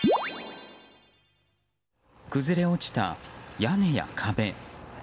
崩れ落ちた屋根や壁。